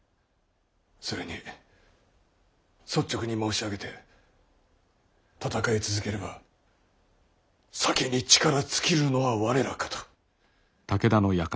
それに率直に申し上げて戦い続ければ先に力尽きるのは我らかと。